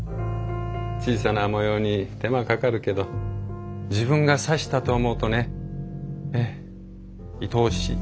小さな模様に手間かかるけど自分が刺したと思うとねええいとおしい。